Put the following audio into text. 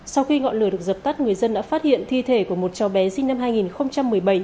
sau khi ngọn lửa được dập tắt người dân đã phát hiện thi thể của một cháu bé sinh năm hai nghìn một mươi bảy